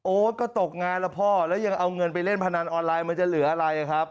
ก็ตกงานแล้วพ่อแล้วยังเอาเงินไปเล่นพนันออนไลน์มันจะเหลืออะไรครับ